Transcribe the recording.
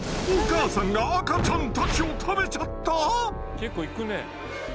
お母さんが赤ちゃんたちを食べちゃった⁉結構いくねえ。